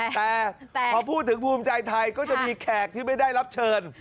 แต่พอพูดถึงภูมิใจไทยก็จะมีแขกที่ไม่ได้รับเชิญ